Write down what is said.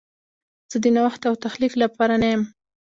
زه د نوښت او تخلیق لپاره نه یم.